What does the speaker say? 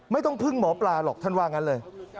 ไม่ต้องพึ่งหมอปลาหรอกท่านว่างั้นเลย